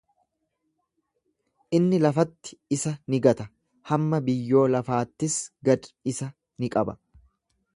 Inni lafatti isa ni gata, hamma biyyoo lafaattis gad isa ni qaba.